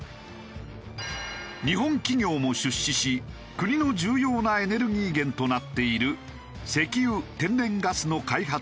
日本企業も出資し国の重要なエネルギー源となっている石油天然ガスの開発